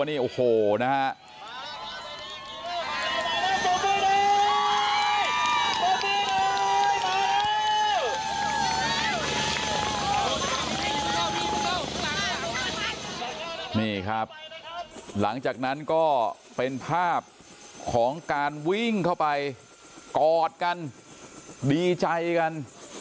นี่โอ้โหนะฮะหลังจากนั้นก็เป็นภาพของการวิ่งเข้าไปกอดกันดีใจกัน